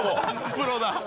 プロだ！